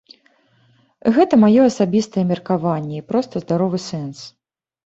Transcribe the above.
Гэта маё асабістае меркаванне і проста здаровы сэнс.